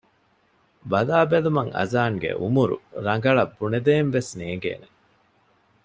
ބަލާ ބެލުމަށް އަޒާން ގެ އުމުރު ރަނގަޅަށް ބުނެދޭން ވެސް ނޭނގޭނެ